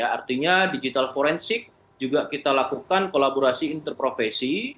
artinya digital forensik juga kita lakukan kolaborasi interprofesi